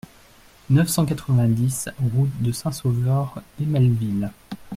neuf cent quatre-vingt-dix route de Saint-Sauveur d'Emallevill